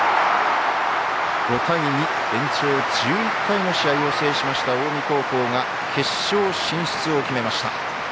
５対２、延長１１回の試合を制しました近江高校が決勝進出を決めました。